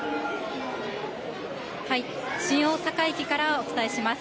新大阪駅からお伝えします。